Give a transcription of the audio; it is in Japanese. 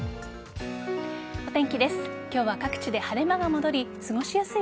お天気です。